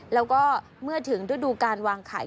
แล้วก็เมื่อถึงฤดูการวางไข่